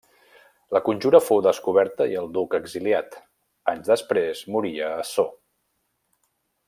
La conjura fou descoberta i el duc exiliat, anys després moria a Sceaux.